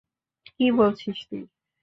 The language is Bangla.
কী বলছিস তুই?